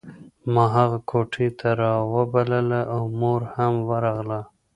ما هغه کوټې ته راوبلله او مور هم ورغله